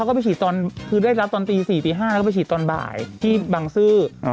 มาก็ไปผิดตอนคือได้รับตอน๔๕และก็ไปผิดตอนบ่ายที่บางซื่อ